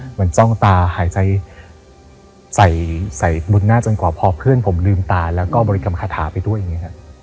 จ้องตาหายใจใส่บุญหน้าจนกว่าพอเพื่อนผมลืมตาแล้วก็บริกรรมคาถาไปด้วยอย่างนี้ครับ